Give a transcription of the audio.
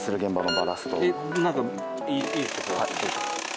なんかいいですか？